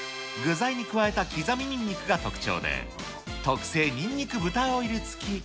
具材に加えた刻みにんにくが特徴で、特製にんにく豚オイル付き。